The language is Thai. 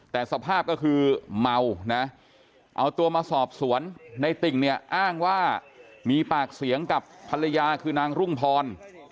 แต่สภาพก็คือเมานะเอาตัวมาสอบสวนในติ่งเนี่ยอ้างว่ามีปากเสียงกับภรรยาคือนางรุ่งพร